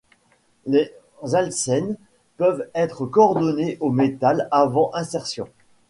Les alcènes peuvent être coordonnés au métal avant insertion.